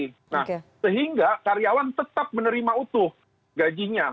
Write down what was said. nah sehingga karyawan tetap menerima utuh gajinya